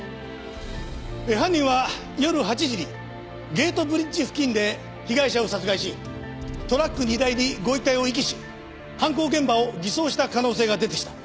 犯人は夜８時にゲートブリッジ付近で被害者を殺害しトラック荷台にご遺体を遺棄し犯行現場を偽装した可能性が出てきた。